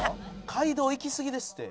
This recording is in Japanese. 「街道行きすぎですって」